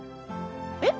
えっ？